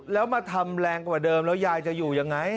แล้วมาทำแรงกว่าเดิมแล้วยายจะอยู่ยังไง